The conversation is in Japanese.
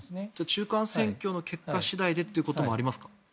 中間選挙の結果次第でということもありますか？